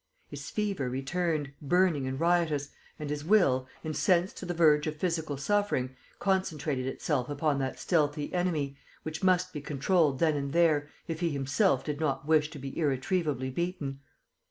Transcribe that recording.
His fever returned, burning and riotous, and his will, incensed to the verge of physical suffering, concentrated itself upon that stealthy enemy, which must be controlled then and there, if he himself did not wish to be irretrievably beaten.